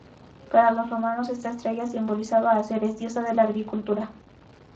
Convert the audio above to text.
Para los romanos esta estrella simbolizaba a Ceres, diosa de la agricultura.